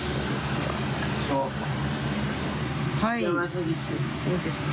そうですか。